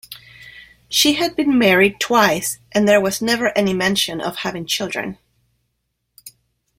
She had been married twice and there was never any mention of having children.